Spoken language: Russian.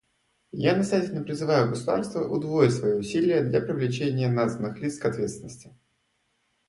Я настоятельно призываю государства удвоить свои усилия для привлечения названных лиц к ответственности.